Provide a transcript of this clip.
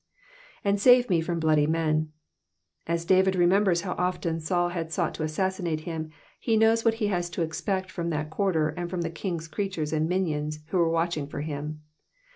Arid sate me from bloody men,''^ As David remembers how often Saul had sought to assassinate him, he knows what he has to expect from that quarter and from the king's creatures and minions who were watching for him.